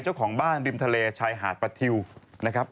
เจ้าของบ้านริมทะเลชายหาดประทิวนะครับ